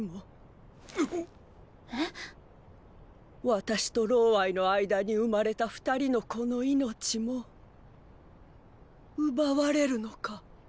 私との間に生まれた二人の子の命も奪われるのか。